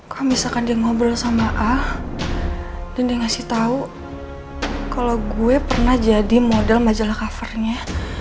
kok misalkan dia ngobrol sama al dan dia ngasih tau kalo gue pernah jadi model majalah covernya